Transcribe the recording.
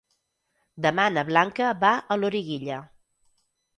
Demà na Blanca va a Loriguilla.